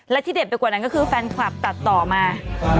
และที่เด็ดไปกว่านั้นก็คือแฟนคลับตัดต่อมา